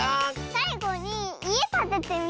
さいごにいえたててみた。